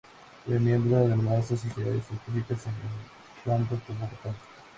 Fue miembro de numerosas sociedades científicas, actuando como botánico.